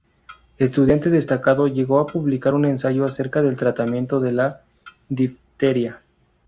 Estudiante destacado, llegó a publicar un ensayo acerca del tratamiento de la difteria.